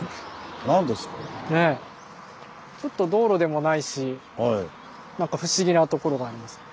ちょっと道路でもないしなんか不思議なところがありますね。